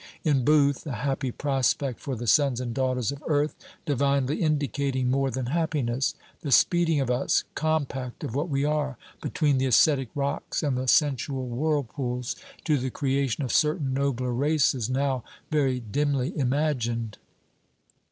In Booth, a happy prospect for the sons and daughters of Earth, divinely indicating more than happiness: the speeding of us, compact of what we are, between the ascetic rocks and the sensual whirlpools, to the creation of certain nobler races, now very dimly imagined.